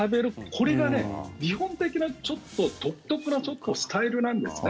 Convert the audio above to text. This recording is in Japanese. これが日本的な、ちょっと独特なスタイルなんですね。